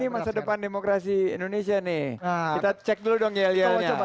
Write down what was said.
masa depan demokrasi indonesia nih kita cek dulu dong yel yelnya